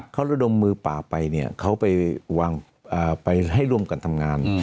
เขาระดมมือป่าไปเนี่ยเขาไปให้ร่วมกันทำงาน